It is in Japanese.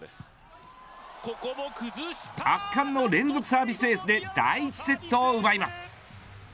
圧巻の連続サービスエースで第１セットを奪います。